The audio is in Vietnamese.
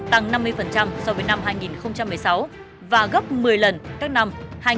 tăng năm mươi so với năm hai nghìn một mươi sáu và gấp một mươi lần các năm